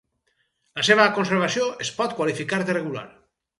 La seva conservació es pot qualificar de regular.